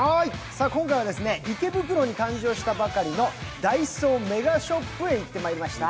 今回は池袋に誕生したばかりのダイソーメガショップへ行ってまいりました。